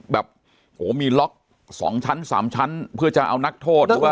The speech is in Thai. แบบโหมีล็อก๒ชั้น๓ชั้นเพื่อจะเอานักโทษ